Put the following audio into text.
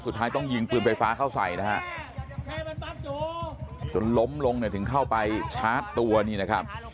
สุดท้ายต้องยิงปืนไฟฟ้าเข้าใส่นะฮะจนล้มลงเนี่ยถึงเข้าไปชาร์จตัวนี่นะครับ